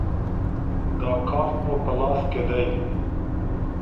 دا کارت مو په لاس کې دی.